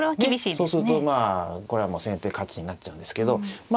そうするとまあこれはもう先手勝ちになっちゃうんですけどま